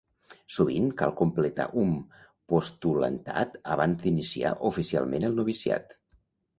Sovint cal completar un postulantat abans d'iniciar oficialment el noviciat.